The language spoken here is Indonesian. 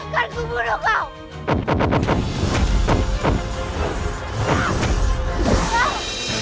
kan aku bunuh kau